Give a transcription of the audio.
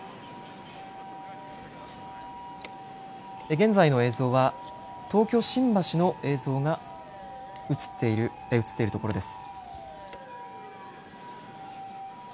現在の映像は東京新橋の映像が映っているところです。